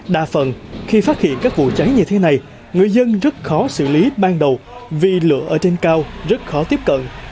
đa phần khi phát hiện các vụ cháy như thế này người dân rất khó xử lý ban đầu vì lửa ở trên cao rất khó tiếp cận